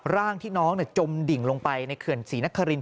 ร่างที่น้องจมดิ่งลงไปในเขื่อนศรีนครินท